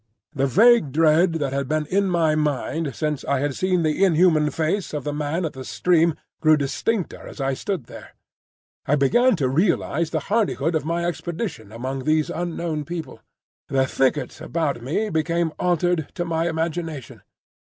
The vague dread that had been in my mind since I had seen the inhuman face of the man at the stream grew distincter as I stood there. I began to realise the hardihood of my expedition among these unknown people. The thicket about me became altered to my imagination.